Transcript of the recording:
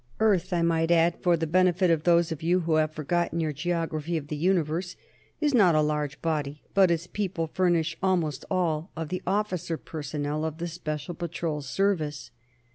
Earth, I might add, for the benefit of those of you who have forgotten your geography of the Universe, is not a large body, but its people furnish almost all of the officer personnel of the Special Patrol Service.